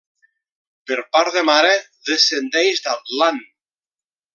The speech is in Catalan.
Per part de mare descendeix d'Atlant.